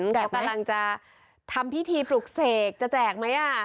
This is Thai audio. เขากำลังจะทำพิธีปลุกเสกจะแจกไหม